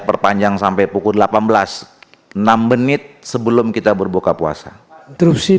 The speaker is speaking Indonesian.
dengan daftar maka kita bisa menyebutkan mereka bisa mengapas kata